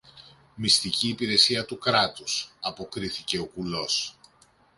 Μυστική υπηρεσία του Κράτους, αποκρίθηκε ο κουλός.